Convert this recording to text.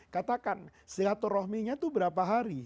katakan silaturahminya itu berapa hari